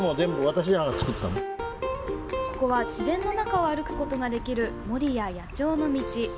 ここは自然の中を歩くことができる守谷野鳥のみち。